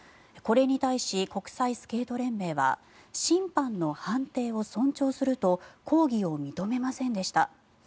これに対し、国際スケート連盟は審判の判定を尊重すると抗議を認めませんでした。